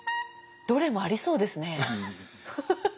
どれもありそうですね。